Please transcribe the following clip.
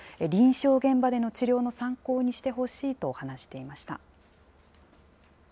臨床現場での治療の参考にしてほしいと話していました。